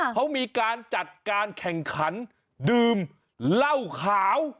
เขามีการจัดการแข่งขันดื่มเหล้าขาว